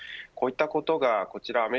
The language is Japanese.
こういったことがこちら